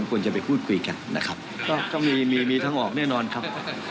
ควรจะไปพูดคุยกันนะครับก็มีมีทางออกแน่นอนครับ